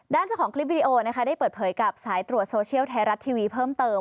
เจ้าของคลิปวิดีโอนะคะได้เปิดเผยกับสายตรวจโซเชียลไทยรัฐทีวีเพิ่มเติม